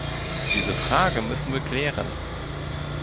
Diese Frage müssen wir klären!